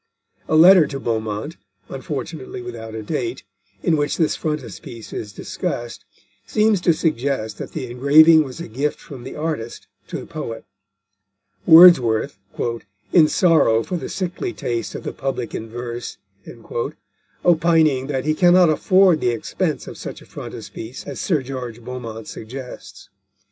A letter to Beaumont, unfortunately without a date, in which this frontispiece is discussed, seems to suggest that the engraving was a gift from the artist to the poet; Wordsworth, "in sorrow for the sickly taste of the public in verse," opining that he cannot afford the expense of such a frontispiece as Sir George Beaumont suggests.